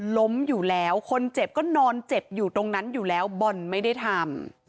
ล้มอยู่แล้วคนเจ็บก็นอนเจ็บอยู่ตรงนั้นอยู่แล้วบอลไม่ได้ทำ